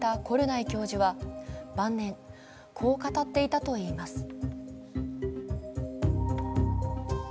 コルナイ教授は晩年、こう語っていたといいます。